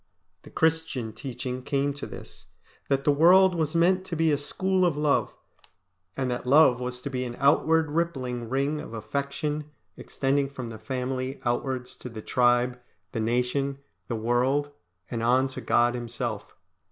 The Christian teaching came to this, that the world was meant to be a school of love, and that love was to be an outward rippling ring of affection extending from the family outwards to the tribe, the nation, the world, and on to God Himself.